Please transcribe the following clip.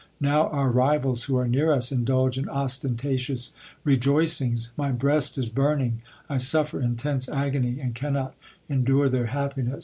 Now our rivals who are near us indulge in ostentatious rejoicings. My breast is burning, I suffer intense agony and cannot endure their happiness.